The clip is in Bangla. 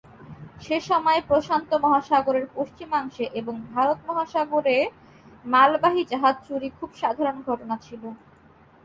সে সময়ে প্রশান্ত মহাসাগরের পশ্চিমাংশে এবং ভারত মহাসাগরে মালবাহী জাহাজ চুরি খুব সাধারণ ঘটনা ছিল।